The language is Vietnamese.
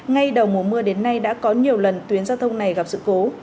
ngay đầu mùa mưa đến nay đã có nhiều lần tuyến giao thông này gặp sự cố